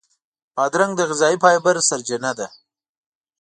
بادرنګ د غذایي فایبر سرچینه ده.